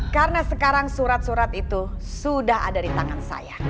karena sekarang surat surat itu sudah ada di tangan saya